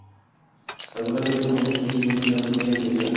– savollarga javob olish mumkin bo‘lgan davr bo‘lgan bo‘lsa